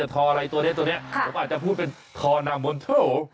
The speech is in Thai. ข้าวมะนุนโท